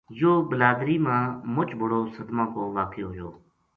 یوہ بلادری ما مُچ بڑا صدما کو واقعو ہویو